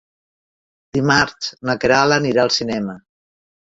Dimarts na Queralt anirà al cinema.